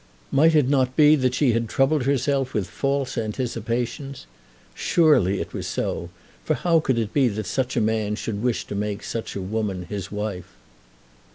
Might it not be that she had troubled herself with false anticipations? Surely it was so; for how could it be that such a man should wish to make such a woman his wife?